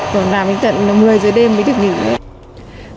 còn làm đến tận một mươi giờ đêm mới được nghỉ nữa